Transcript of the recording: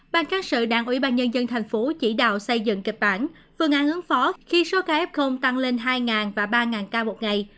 bàn kháng sự đảng ủy ban nhân dân thành phố chỉ đạo xây dần kịch bản phương án ứng phó khi số kf tăng lên hai và ba ca một ngày